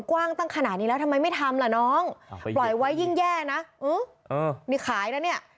กว้างตั้งขนาดนี้แล้วทำไมไม่ทำล่ะน้องปล่อยไว้ยิ่งแย่นะนี่ขายนะเนี่ย